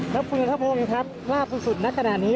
นับคุณคุณทั่วโพรงครับพลาดสุดณขนาดนี้